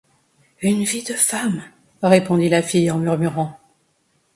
Une vie de femme, répondit la fille en murmurant.